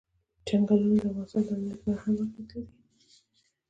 چنګلونه د افغانستان د امنیت په اړه هم اغېز لري.